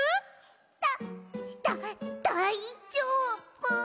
だだだいじょうぶ！